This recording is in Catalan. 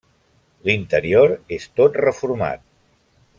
L'interior és tot reformat.